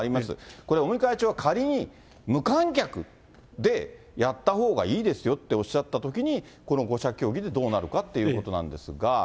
これ、尾身会長は仮に無観客でやったほうがいいですよっておっしゃったときに、この５者協議でどうなるかっていうことなんですが。